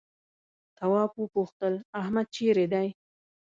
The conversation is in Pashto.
تواب وپوښتل احمد چيرې دی؟